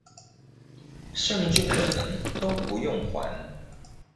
甚至可能都不用還